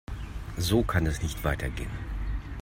So kann es nicht weitergehen.